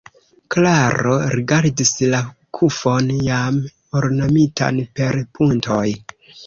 Klaro rigardis la kufon jam ornamitan per puntoj.